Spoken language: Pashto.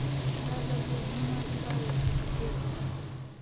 دا ځل یې نیمه ژبه ورڅخه پرې کړه.